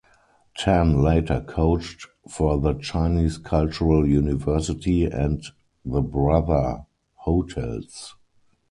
Tan later coached for the Chinese Cultural University and the Brother Hotels.